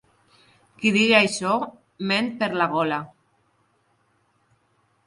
Qui digui això, ment per la gola.